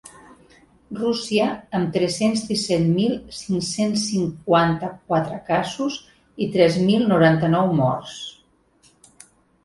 Rússia, amb tres-cents disset mil cinc-cents cinquanta-quatre casos i tres mil noranta-nou morts.